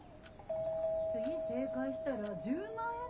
・次正解したら１０万円だって。